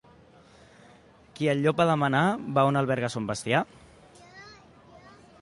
Qui al llop a demanar va on alberga son bestiar?